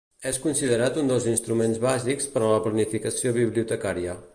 És considerat un dels instruments bàsics per a la planificació bibliotecària.